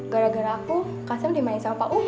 gara gara aku kasem dimainin sama pak umar